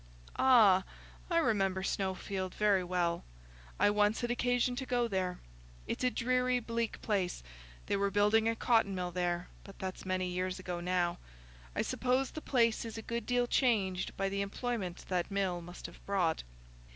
"Ah, I remember Snowfield very well; I once had occasion to go there. It's a dreary bleak place. They were building a cotton mill there; but that's many years ago now. I suppose the place is a good deal changed by the employment that mill must have brought."